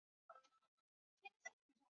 宏琳厝居住着黄姓家族。